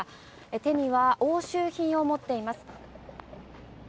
手には押収品を持っています。